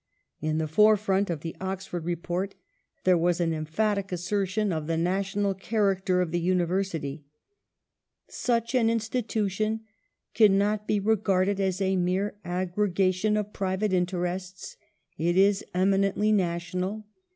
In the forefront of the Oxford Report there was an emphatic assertion of the national character of the University :" Such an institution cannot be re garded as a mere aggregation of private interests ; it is eminently national.